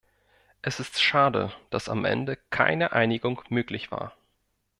Es ist schade, dass am Ende keine Einigung möglich war.